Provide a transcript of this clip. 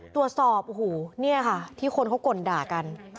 ตรวจสอบโอ้โหนี่ค่ะที่คนเขาก่นด่ากัน